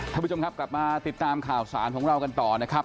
ท่านผู้ชมครับกลับมาติดตามข่าวสารของเรากันต่อนะครับ